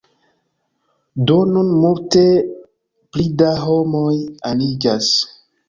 Do nun multe pli da homoj aniĝas